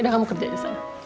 udah kamu kerja disana